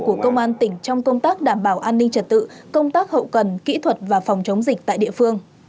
của công an tỉnh trong công tác đảm bảo an ninh trật tự công tác hậu cần kỹ thuật và phòng chống dịch tại địa phương